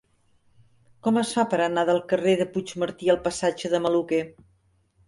Com es fa per anar del carrer de Puigmartí al passatge de Maluquer?